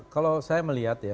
kalau saya melihat ya